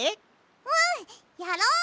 うんやろう！